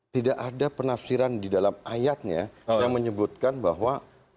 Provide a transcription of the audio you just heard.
tidak ada penafsiran di dalam ayatnya yang menyebutkan bahwa